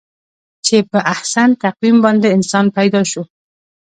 چې په احسن تقویم باندې انسان پیدا شو.